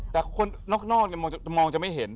แต่คนนอกมองจะไม่เห็น